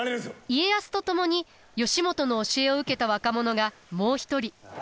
家康と共に義元の教えを受けた若者がもう一人。